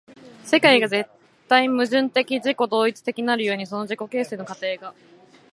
世界が絶対矛盾的自己同一的なる故に、その自己形成の過程が